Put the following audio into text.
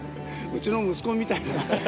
うちの息子みたいな。